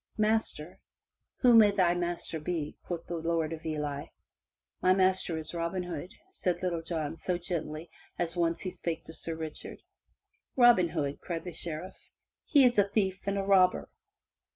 "Master! Who may they master be?" quoth the Lord of Ely. *'My master is Robin Hood," saith Little John so gently as once he spake to Sir Richard. " Robin Hood !" cried the Sheriff. " He is a thief and a robber